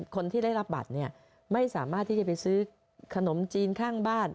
คนที่ได้รับบัตรเนี่ยไม่สามารถที่จะไปซื้อขนมจีนข้างบ้าน